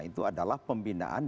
itu adalah pembinaan